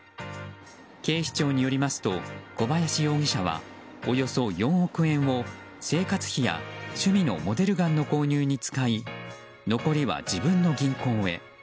警視庁によりますと小林容疑者はおよそ４億円を生活費や、趣味のモデルガンの購入に使い残りは自分の銀行へ。